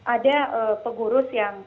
ada pegurus yang